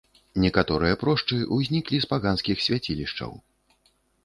Некаторыя прошчы ўзніклі з паганскіх свяцілішчаў.